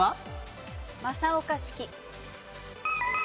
正岡子規。